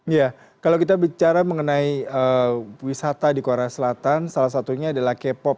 ya kalau kita bicara mengenai wisata di korea selatan salah satunya adalah k pop